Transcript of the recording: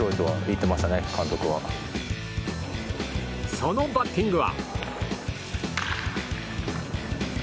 そのバッティングは。